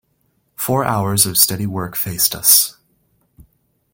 Four hours of steady work faced us.